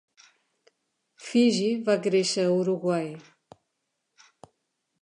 Fygi va créixer a Uruguai.